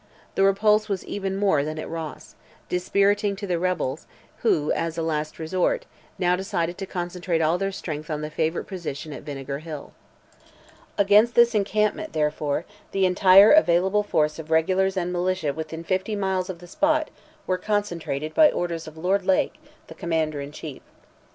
The repulse was even more than that at Ross, dispiriting to the rebels, who, as a last resort, now decided to concentrate all their strength on the favourite position at Vinegar Hill. Against this encampment, therefore, the entire available force of regulars and militia within fifty miles of the spot were concentrated by orders of Lord Lake, the Commander in Chief.